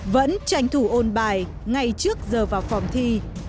vẫn tranh thủ ôn bài ngay trước giờ vào phòng thi